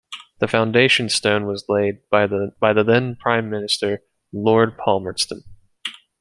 The foundation stone was laid by the then Prime Minister, Lord Palmerston.